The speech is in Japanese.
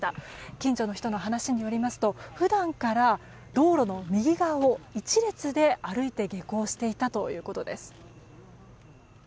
近所の人によりますと普段から道路の右側を１列で歩いて下校していたということです。